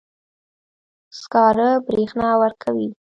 سکاره برېښنا ورکوي.